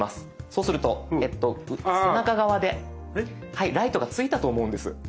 そうすると背中側でライトがついたと思うんです。